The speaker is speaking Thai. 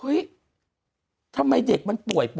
คุณหนุ่มกัญชัยได้เล่าใหญ่ใจความไปสักส่วนใหญ่แล้ว